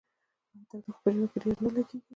آیا تودوخه په ژمي کې ډیره نه لګیږي؟